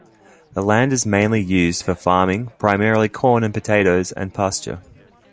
The land is mainly used for farming, primarily corn and potatoes, and pasture.